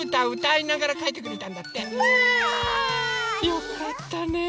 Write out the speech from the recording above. よかったねえ。